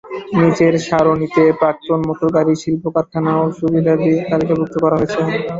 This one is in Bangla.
নিচের সারণিতে প্রাক্তন মোটরগাড়ি শিল্প কারখানা ও সুবিধাদি তালিকাভুক্ত করা হয়েছে।